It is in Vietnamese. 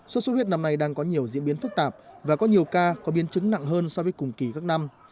sốt xuất huyết năm nay đang có nhiều diễn biến phức tạp và có nhiều ca có biến chứng nặng hơn so với cùng kỳ các năm